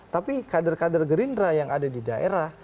tapi kader kader gerindra yang ada di daerah